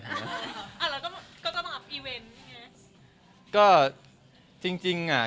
ก็ต้องตามอีเวนไง